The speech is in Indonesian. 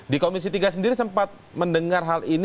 di komisi tiga sendiri sempat mendengar hal ini